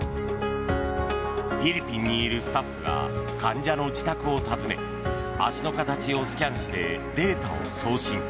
フィリピンにいるスタッフが患者の自宅を訪ね足の形をスキャンしてデータを送信。